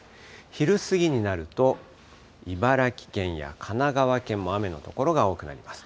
昼過ぎになると、茨城県や神奈川県も雨の所が多くなります。